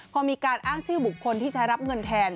พอมีการอ้างชื่อบุคคลที่ใช้รับเงินแทน